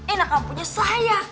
enaklah punya saya